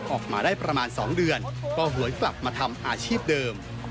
ออกมาได้ประมาณ๒เดือนก็หวยกลับมาทำอาชีพเดิม